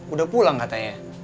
udah pulang katanya